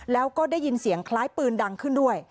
แล้วก็ได้ยินเสียงคล้ายปืนดังขึ้นด้วย